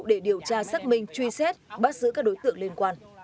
để điều tra xác minh truy xét bắt giữ các đối tượng liên quan